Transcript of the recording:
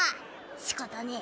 しかたねぇ。